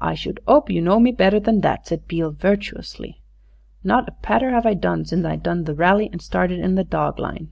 "I should 'ope you know me better than that," said Beale virtuously; "not a patter have I done since I done the Rally and started in the dog line."